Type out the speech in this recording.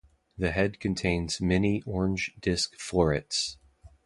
The head contains many orange disc florets.